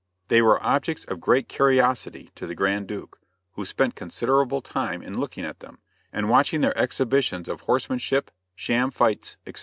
They were objects of great curiosity to the Grand Duke, who spent considerable time in looking at them, and watching their exhibitions of horsemanship, sham fights, etc.